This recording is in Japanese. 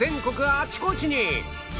あちこちに！